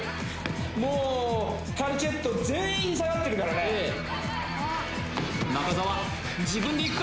もうカルチェット全員下がってるからね中澤自分でいくか？